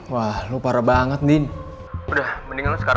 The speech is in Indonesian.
boleh apa ada apa